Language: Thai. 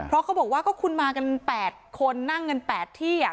เพราะเขาบอกว่าก็คุณมากัน๘คนนั่งกัน๘ที่